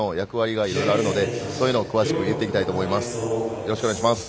よろしくお願いします。